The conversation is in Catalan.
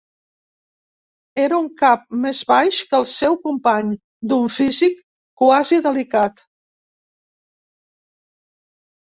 Era un cap més baix que el seu company, d'un físic quasi delicat.